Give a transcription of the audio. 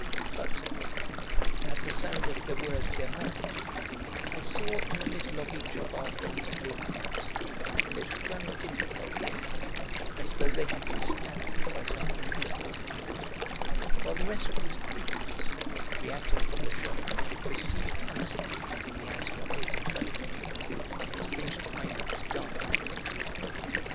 But, at the sound of the word Guermantes, I saw in the middle of each of our friend's blue eyes a little brown dimple appear, as though they had been stabbed by some invisible pin point, while the rest of his pupils, reacting from the shock, received and secreted the azure overflow. His fringed eyelids darkened, and drooped.